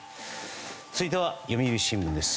続いては、読売新聞です。